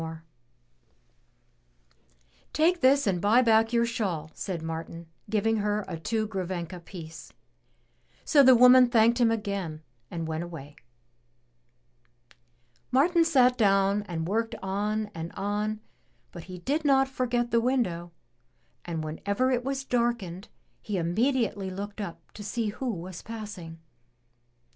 200 THE TREASURE CHEST "Take this and buy back your shawl," said Martin, giving her a two grivenka piece. So the woman thanked him again and went away. Martin sat down and worked on and on, but he did not forget the window, and whenever it was darkened, he immediately looked up to see who was passing.